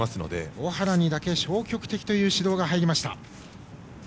尾原にだけ消極的という指導が入りました。